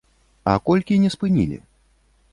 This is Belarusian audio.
А колькі не спынілі?